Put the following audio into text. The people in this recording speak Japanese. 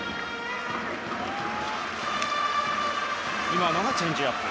今のがチェンジアップ。